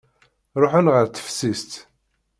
Ṛuḥen ɣer teftist.